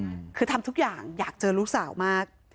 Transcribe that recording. อืมคือทำทุกอย่างอยากเจอลูกสาวมาก